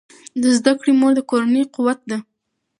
د زده کړې مور د کورنۍ قوت ده.